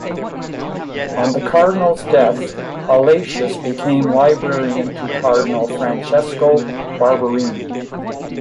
On the Cardinal's death, Allatius became librarian to Cardinal Francesco Barberini.